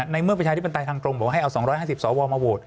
ในเมื่อประชาธิปไตรทางตรงบอกว่าให้เอาสวมาโหวนายกถูกไหมครับ